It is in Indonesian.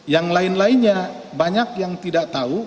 yang lain lainnya banyak yang tidak tahu